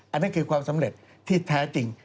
อันนั้นคือความสำเร็จที่แท้จริง